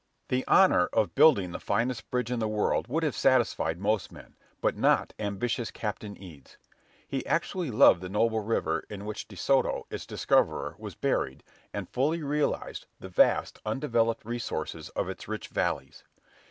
The honor of building the finest bridge in the world would have satisfied most men, but not ambitious Captain Eads. He actually loved the noble river in which De Soto, its discoverer, was buried, and fully realized the vast, undeveloped resources of its rich valleys.